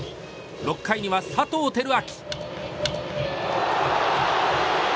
６回には佐藤輝明！